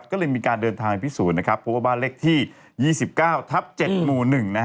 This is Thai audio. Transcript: ก็เลยมีการเดินทางอีกที่ศูนย์พบบ้านเล็กที่๒๙ทับ๗หมู่๑